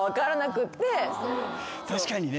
確かにね。